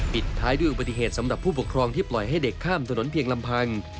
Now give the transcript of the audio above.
ปิดท้ายด้วยอุบัติเหตุสำหรับผู้ปกครองที่ปล่อยให้เด็กข้ามถนนเพียงลำพัง